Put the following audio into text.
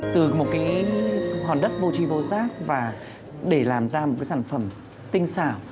từ một cái hòn đất vô chi vô giác và để làm ra một cái sản phẩm tinh xảo